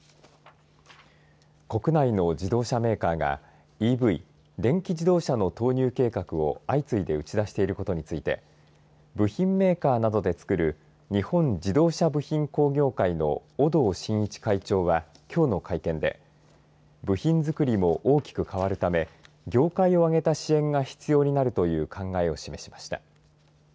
国内の自動車メーカーがＥＶ、電気自動車の投入計画を相次いで打ち出していることについて部品メーカーなどで作る日本自動車部品工業会の尾堂真一会長は、きょうの会見で部品づくりも大きく変わるため業界を挙げた支援が必要になるという考えを示しました。